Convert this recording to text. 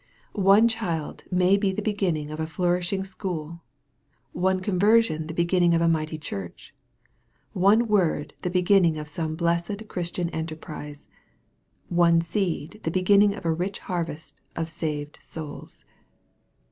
One child may be the beginning of a flourishing school one conversion the beginning of a mighty church one word the beginning of some blessed Christian enterprise one seed the beginning of a rich harvest of saved souls.